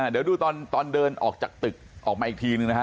เดี๋ยวดูตอนเดินออกจากตึกออกมาอีกทีหนึ่งนะฮะ